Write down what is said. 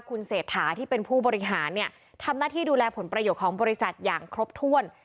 คุณเศรษฐาที่เป็นผู้บริหารเนี่ยทำหน้าที่ดูแลผลประโยชน์ของบริษัทอย่างครบถ้วน